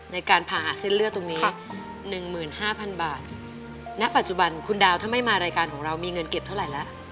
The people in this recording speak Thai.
ในการผ่าหาเส้นเลือดตรงนี้๑๕๐๐๐บาทณปัจจุบันคุณดาวถ้าไม่มารายการของเรามีเงินเก็บเท่าไหร่แล้ว